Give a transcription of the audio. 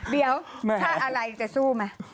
เดี๋ยวถ้าอะไรจะสู้ไหม